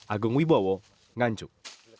agung wibowo nganjuk